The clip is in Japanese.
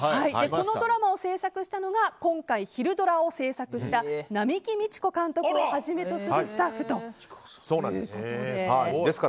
このドラマを制作したのが今回、ひるドラ！を制作した並木道子監督をはじめとするスタッフということです。